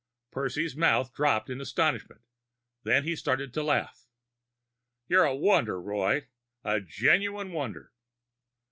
Percy's mouth dropped in astonishment; then he started to laugh. "You're a wonder, Roy. A genuine wonder."